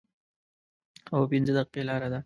هو، پنځه دقیقې لاره ده